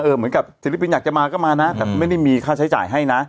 เหมือนกับศิลปินอยากจะมาก็มานะแต่ไม่ได้มีค่าใช้จ่ายให้นะ